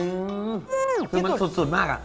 อืมคือมันสุดมากอะ